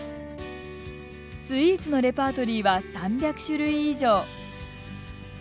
スイーツのレパートリーは３００種類以上。